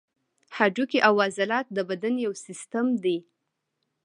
هډوکي او عضلات د بدن یو سیستم دی.